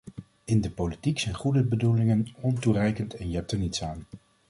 In de politiek zijn goede bedoelingen ontoereikend en je hebt er niets aan.